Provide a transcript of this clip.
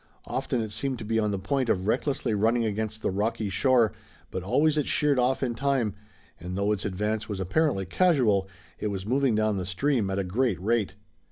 Often it seemed to be on the point of recklessly running against the rocky shore, but always it sheered off in time, and though its advance was apparently casual it was moving down the stream at a great rate.